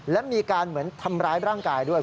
และมีการเหมือนทำร้ายร่างกายด้วย